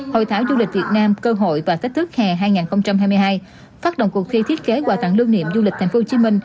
hội thảo du lịch việt nam cơ hội và thách thức hè hai nghìn hai mươi hai phát động cuộc thi thiết kế quà tặng lưu niệm du lịch tp hcm